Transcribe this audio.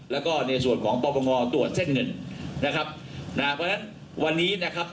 แล้วก็ในส่วนของปปงตรวจเส้นเงินนะครับนะเพราะฉะนั้นวันนี้นะครับ